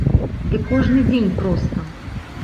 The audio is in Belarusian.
Ды кожны дзень проста!